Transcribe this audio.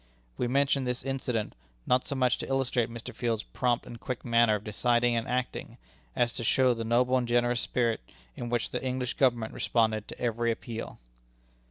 We mention this little incident, not so much to illustrate Mr. Field's prompt and quick manner of deciding and acting, as to show the noble and generous spirit in which the English Government responded to every appeal.